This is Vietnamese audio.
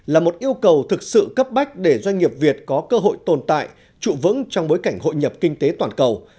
là một yêu cầu thực sự cấp bách để doanh nghiệp việt có cơ hội tồn tại trụ vững trong bối cảnh hội nhập kinh tế toàn cầu